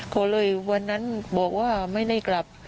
ก็เลยวันนั้นบอกว่าไม่ได้กลับ